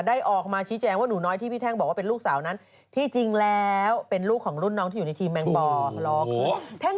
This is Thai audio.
ออกมาชี้แจงว่าหนูน้อยที่พี่แท่งบอกว่าเป็นลูกสาวนั้นที่จริงแล้วเป็นลูกของรุ่นน้องที่อยู่ในทีมแมงปอล